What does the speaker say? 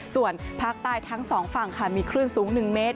ส่วนภาคใต้ทั้งสองฝั่งค่ะมีคลื่นสูง๑เมตร